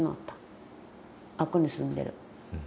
あっこに住んでる。